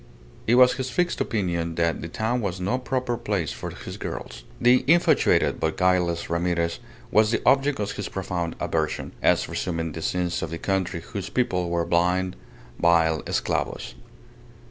It was his fixed opinion that the town was no proper place for his girls. The infatuated but guileless Ramirez was the object of his profound aversion, as resuming the sins of the country whose people were blind, vile esclavos.